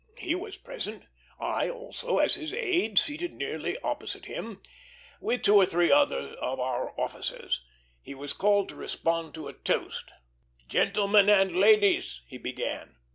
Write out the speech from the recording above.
He was present; I also, as his aide, seated nearly opposite him, with two or three other of our officers. He was called to respond to a toast. "Gentlemen and ladies!" he began.